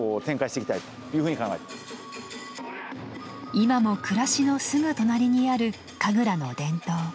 今も暮らしのすぐ隣にある神楽の伝統。